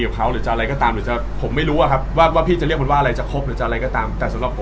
เราสนุกด้วยซ้ำอ่านข่าวเราสนุกด้วยซ้ำแต่พอทีเนี้ยมันบอกว่าเฮ้ยเรารูลไทล์แล้วไม่ได้หรอ